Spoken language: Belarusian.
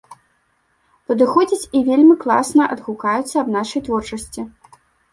Падыходзяць і вельмі класна адгукаюцца аб нашай творчасці.